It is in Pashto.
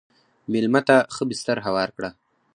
مېلمه ته ښه بستر هوار کړه.